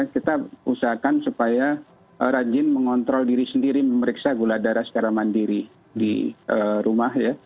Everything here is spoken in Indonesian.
kita usahakan supaya rajin mengontrol diri sendiri memeriksa gula darah secara mandiri di rumah ya